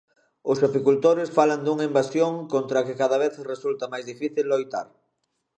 Os apicultores falan dunha invasión contra a que cada vez resulta máis difícil loitar.